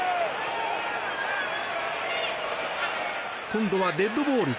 今度はデッドボール。